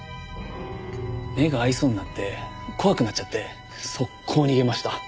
目が合いそうになって怖くなっちゃって即行逃げました。